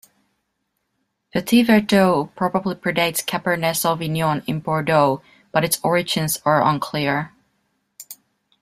Petit Verdot probably predates Cabernet Sauvignon in Bordeaux, but its origins are unclear.